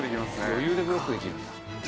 余裕でブロックできるんだ。